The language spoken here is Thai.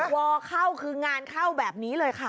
วอเข้าคืองานเข้าแบบนี้เลยค่ะ